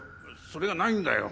それがないんだよ。